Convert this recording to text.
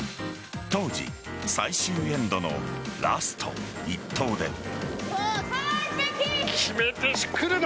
当時、最終エンドのラスト１投で。